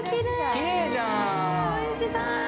おいしそう。